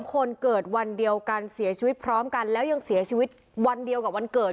คนเกิดวันเดียวกันเสียชีวิตพร้อมกันแล้วยังเสียชีวิตวันเดียวกับวันเกิด